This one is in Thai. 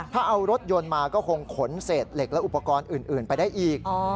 ถ้าเอารถยนต์มาก็คงขนเศษเหล็กและอุปกรณ์อื่นไปได้อีก